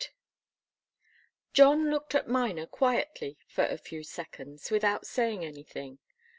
John looked at Miner quietly for a few seconds, without saying anything.